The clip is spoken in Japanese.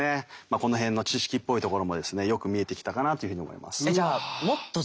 この辺の知識っぽいところもですねよく見えてきたかなというふうに思います。